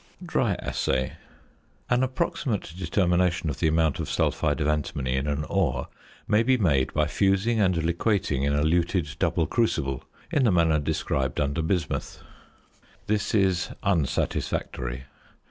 DRY ASSAY. An approximate determination of the amount of sulphide of antimony in an ore may be made by fusing and liquating in a luted double crucible in the manner described under bismuth. This is unsatisfactory.